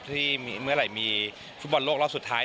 ที่เมื่อไหร่มีฟุตบอลโลกรอบสุดท้าย